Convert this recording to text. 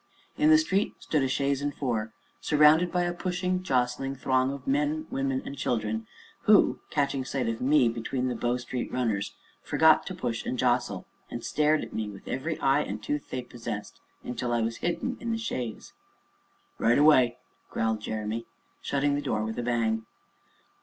In the street stood a chaise and four, surrounded by a pushing, jostling throng of men, women, and children, who, catching sight of me between the Bow Street Runners, forgot to push and jostle, and stared at me with every eye and tooth they possessed, until I was hidden in the chaise. "Right away!" growled Jeremy, shutting the door with a bang.